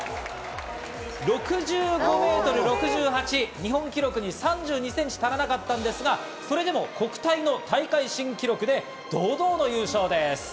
６５メートル６８、日本記録に３２センチ足りなかったんですが、それでも国体の大会新記録で堂々の優勝です。